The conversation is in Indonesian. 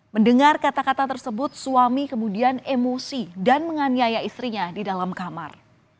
mendengar kata kata tersebut suami kemudian emosi dan menganiaya istrinya di dalam kamar